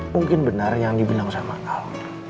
mungkin benar yang dibilang sama al